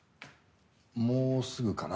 「もうすぐかな」